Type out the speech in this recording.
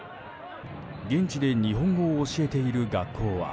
現地で日本語を教えている学校は。